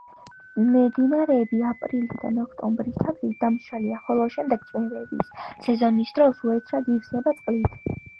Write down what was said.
მდინარეები აპრილიდან ოქტომბრის ჩათვლით დამშრალია, ხოლო შემდეგ წვიმების სეზონის დროს უეცრად ივსება წყლით.